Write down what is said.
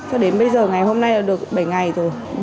cho đến bây giờ ngày hôm nay là được bảy ngày rồi